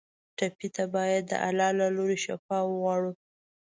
ټپي ته باید د الله له لورې شفا وغواړو.